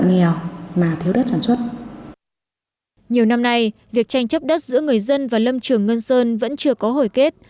nhiều năm nay việc tranh chấp đất giữa người dân và lâm trường ngân sơn vẫn chưa có hồi kết